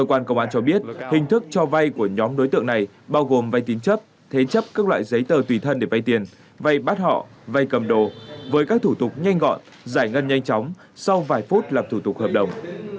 cơ quan công an cho biết hình thức cho vay của nhóm đối tượng này bao gồm vay tín chấp thế chấp các loại giấy tờ tùy thân để vay tiền vay bắt họ vay cầm đồ với các thủ tục nhanh gọn giải ngân nhanh chóng sau vài phút làm thủ tục hợp đồng